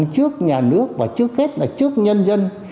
trước nhà nước và trước hết là trước nhân dân